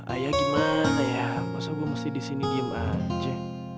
ayah gimana ya masa gue mesti di sini diem aja